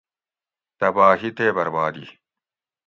تباہی تے بربادی